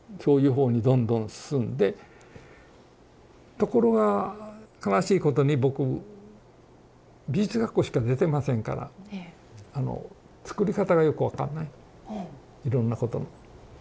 ところが悲しいことに僕美術学校しか出てませんからつくり方がよく分かんないいろんなことの。